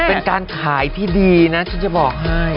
เป็นการขายที่ดีนะฉันจะบอกให้